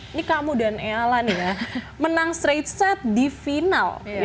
ini kamu dan ealla nih ya menang straight set di final